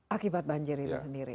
akibat banjir itu sendiri